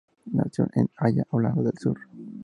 Nació en La Haya, Holanda del Sur.